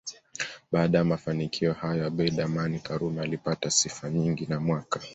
Baada ya mafanikio hayo Abeid Amani Karume alipata sifa nyingi na mwaka